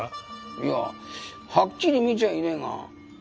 いやはっきり見ちゃいねえが人影が２人。